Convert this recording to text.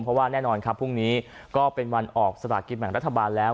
เพราะว่าแน่นอนครับพรุ่งนี้ก็เป็นวันออกสลากินแบ่งรัฐบาลแล้ว